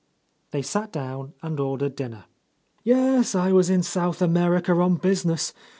They sat down and ordered dinner. "Yes, I was in South America on business.